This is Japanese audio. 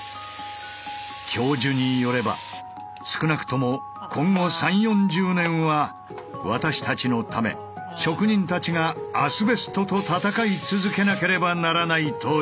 教授によれば少なくとも今後３０４０年は私たちのため職人たちがアスベストと戦い続けなければならないという。